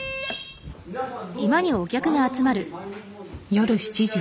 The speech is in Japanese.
夜７時。